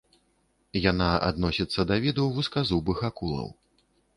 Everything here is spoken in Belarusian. Яна адносіцца да віду вузказубых акулаў.